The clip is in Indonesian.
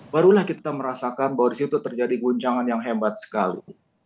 barulah kita merasakan bahwa di situ terjadi guncangan yang hebat sekali